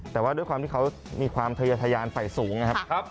แต่ว่าด้วยความที่เขามีความทะยาทะยานฝ่ายสูงนะครับ